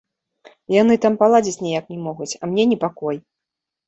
Яны там паладзіць ніяк не могуць, а мне непакой.